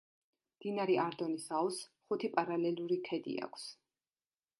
მდინარე არდონის აუზს ხუთი პარალელური ქედი აქვს.